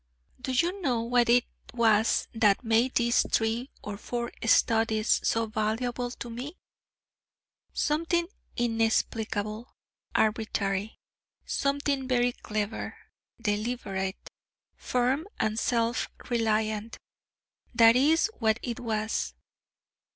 Do you know what it was that made these three or four studies so valuable to me? Something inexplicably arbitrary, something very clever, deliberate, firm and self reliant that is what it was.